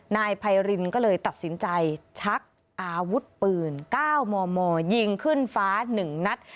นายไพรินก็เลยตัดสินใจชักอาวุธปืน๙มมยิงขึ้นฟ้า๑นัด